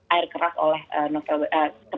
air keras oleh kepala pemerintah